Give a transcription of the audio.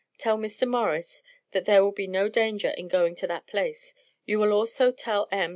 Tell Mr. Morris that there will be no danger in going to that place. You will also tell M.